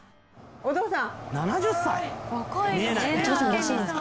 「お父さん！」